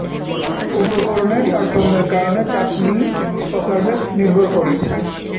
উপকরণের তারতম্যের কারণে চাটনি প্রকারভেদ নির্ভর করে।